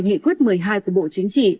nghị quyết một mươi hai của bộ chính trị